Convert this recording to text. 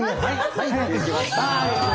はいできました。